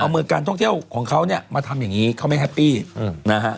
เอามือการท่องเที่ยวของเขาเนี่ยมาทำอย่างนี้เขาไม่แฮปปี้นะฮะ